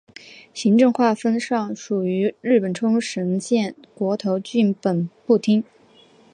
行政划分上属于日本冲绳县国头郡本部町。